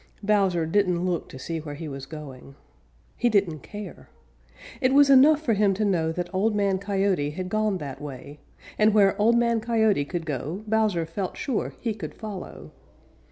Bowser didn't look to see where he was going. He didn't care. It was enough for him to know that Old Man Coyote had gone that way, and where Old Man Coyote could go Bowser felt sure he could follow.